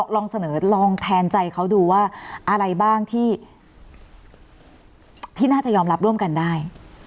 ลองเสนอลองแทนใจเขาดูว่าอะไรบ้างที่น่าจะยอมรับร่วมกันได้